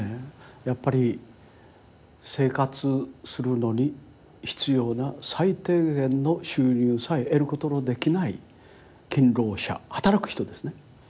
やっぱり生活するのに必要な最低限の収入さえ得ることのできない勤労者働く人ですね。